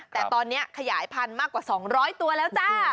แต่ตอนนี้ขยายพันธุ์มากกว่า๒๐๐ตัวแล้วจ้า